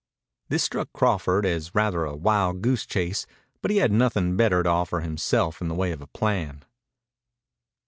This struck Crawford as rather a wild goose chase, but he had nothing better to offer himself in the way of a plan.